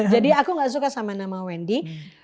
jadi aku gak suka sama nama wendy